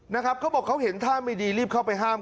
เขาบอกเขาเห็นท่าไม่ดีรีบเข้าไปห้าม